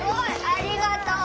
ありがとう！